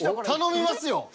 頼みますよ。